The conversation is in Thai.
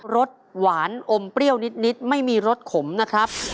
รสหวานอมเปรี้ยวนิดไม่มีรสขมนะครับ